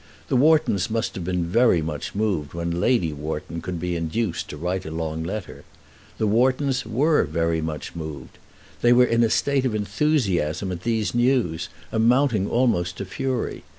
The Whartons must have been very much moved when Lady Wharton could be induced to write a long letter. The Whartons were very much moved. They were in a state of enthusiasm at these news, amounting almost to fury.